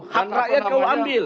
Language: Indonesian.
hak rakyat kamu ambil